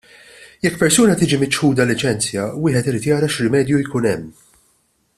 Jekk persuna tiġi miċħuda liċenzja, wieħed irid jara x'rimedju jkun hemm.